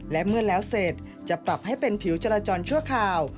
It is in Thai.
และเมื่อแล้วเสร็จจะปรับให้เป็นผิวจราจรชั่วคราว